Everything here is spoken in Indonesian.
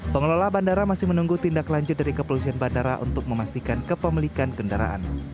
pengelola bandara masih menunggu tindak lanjut dari kepolisian bandara untuk memastikan kepemilikan kendaraan